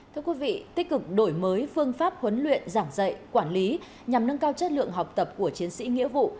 thưa quý vị tích cực đổi mới phương pháp huấn luyện giảng dạy quản lý nhằm nâng cao chất lượng học tập của chiến sĩ nghĩa vụ